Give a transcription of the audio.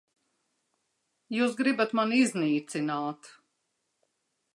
Jūs gribat mani iznīcināt.